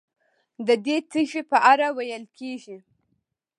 ددې تیږې په اړه ویل کېږي.